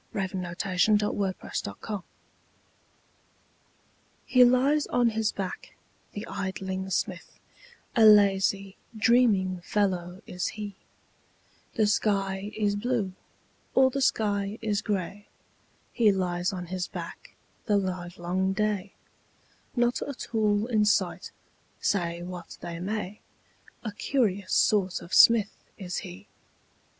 Helen Hunt Jackson The Poet's Forge HE lies on his back, the idling smith, A lazy, dreaming fellow is he; The sky is blue, or the sky is gray, He lies on his back the livelong day, Not a tool in sight, say what they may, A curious sort of smith is he.